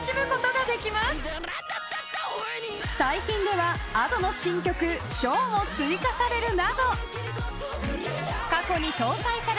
［最近ではＡｄｏの新曲『唱』も追加されるなど］